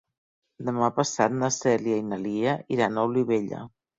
Demà passat na Cèlia i na Lia iran a Olivella.